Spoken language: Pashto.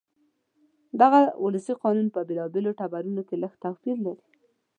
دغه ولسي قوانین په بېلابېلو ټبرونو کې لږ توپیر لري.